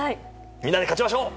みんなで勝ちましょう！